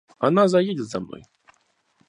Она заедет за мной.